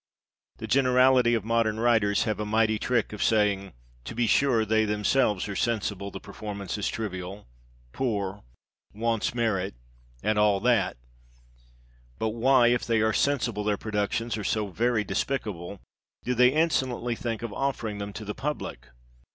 The generality of modern THE AUTHOR'S PREFACE. xxix writers have a mighty trick of saying " to be sure they themselves are sensible the performance is trivial, poor, wants merit, and all that ;" but why, if they are sensible their productions are so very despicable, do they insolently think of offering them to the public